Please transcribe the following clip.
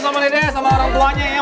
ayo bantuin sama sama semuanya yuk